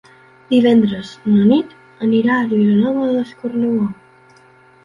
Divendres na Nit anirà a Vilanova d'Escornalbou.